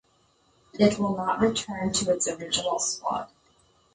It will not return to its original spot.